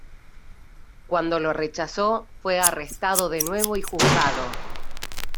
Cuando lo rechazó, fue arrestado de nuevo y juzgado.